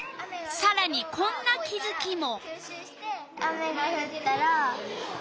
さらにこんな気づきも。